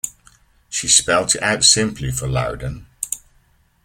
She spelt it out simply for Louden.